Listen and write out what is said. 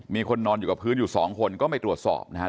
มีคนนอนอยู่กับพื้นอยู่๒คนก็ไม่ตรวจสอบนะครับ